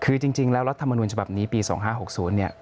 คือจริงแล้วรัฐมนุนฉบับนี้ปี๒๕๖๐เนี่ย